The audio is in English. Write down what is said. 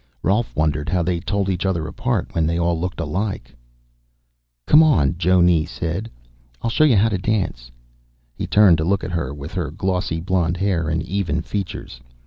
Rolf wondered how they told each other apart when they all looked alike. "Come on," Jonne said. "I'll show you how to dance." He turned to look at her, with her glossy blonde hair and even features.